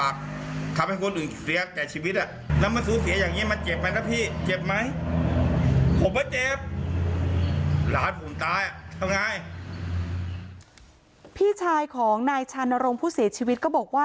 พี่ชายของนายชานรงค์ผู้เสียชีวิตก็บอกว่า